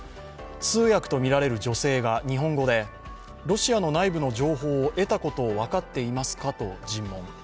通訳をみられる女性が日本語でロシアの内部の情報を得たことを分かっていますかと尋問。